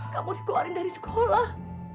kamu dikeluarin dari sekolah